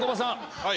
はい！